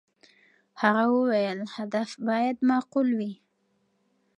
هغه وویل، هدف باید معقول وي.